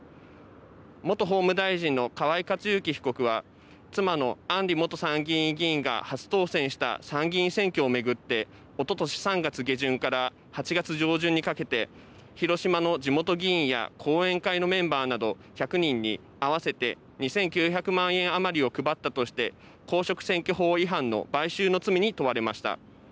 元法務大臣の河井克行被告は妻の、案里元参議院議員が初当選した参議院選挙をめぐっておととし３月下旬から８月上旬にかけて広島の地元議員や後援会のメンバーなど１００人に合わせて２９００万円余りを配ったとして公職選挙法違反の買収の罪に問われました。